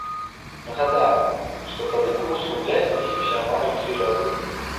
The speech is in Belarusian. Нагадаем, што тады курс рубля знізіўся амаль у тры разы.